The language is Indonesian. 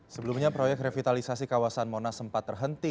sebelumnya proyek revitalisasi kawasan monas sempat terhenti